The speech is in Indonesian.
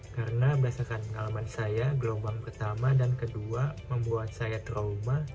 karena berdasarkan pengalaman saya gelombang pertama dan kedua membuat saya terowong